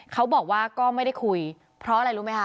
เขาบอกว่าก็ไม่ได้คุยเพราะอะไรรู้ไหมคะ